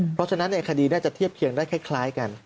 เพราะฉะนั้นคดีน่าจะเทียบเคียงได้คล้ายกัน